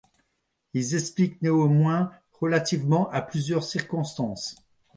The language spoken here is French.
Il s’explique néanmoins, relativement à plusieurs circonstances.